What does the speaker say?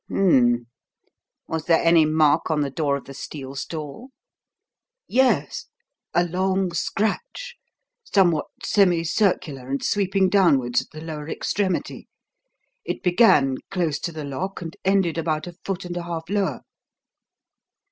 "Hum m m! Was there any mark on the door of the steel stall?" "Yes. A long scratch, somewhat semi circular, and sweeping downwards at the lower extremity. It began close to the lock and ended about a foot and a half lower."